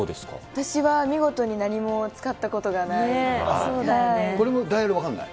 私は見事に何も使ったことがダイヤル分かんない？